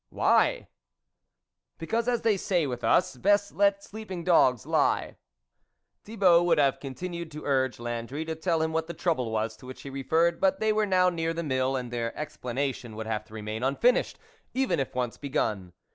" Why ?" "Because, as they say with us," Best let sleeping dogs lie." Thibault would have continued to urge Landry to tell him what the trouble was to which he referred, but they were now near the Mill, and their explanation would have to remain unfinished, even if once begun.